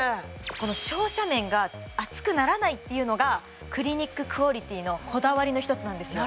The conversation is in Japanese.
この照射面が熱くならないっていうのがクリニッククオリティのこだわりの一つなんですよ